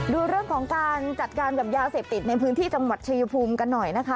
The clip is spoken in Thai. ดูเรื่องของการจัดการกับยาเสพติดในพื้นที่จังหวัดชายภูมิกันหน่อยนะคะ